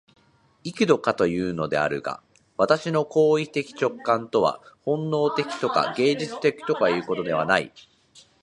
幾度かいうのであるが、私の行為的直観とは本能的とか芸術的とかいうことではない。